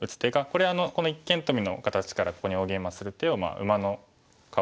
これこの一間トビの形からここに大ゲイマする手を馬の顔ですかね。